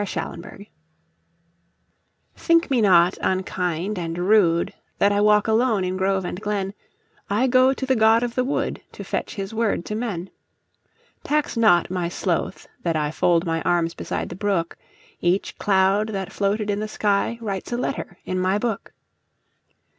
The Apology THINK me not unkind and rudeThat I walk alone in grove and glen;I go to the god of the woodTo fetch his word to men. Tax not my sloth that IFold my arms beside the brook; Each cloud that floated in the skyWrites a letter in my book.